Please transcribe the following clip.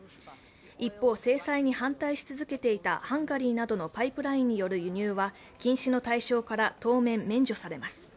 一方、制裁に反対し続けていたハンガリーなどのパイプラインによる輸入は禁止の対象から当面免除されます。